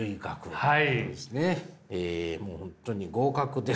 はい。